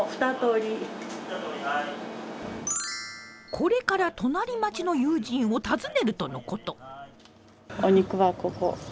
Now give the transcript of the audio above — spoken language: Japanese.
これから隣町の友人を訪ねるとのこと。